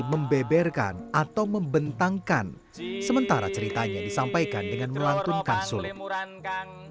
membeberkan atau membentangkan sementara ceritanya disampaikan dengan melantunkan sulit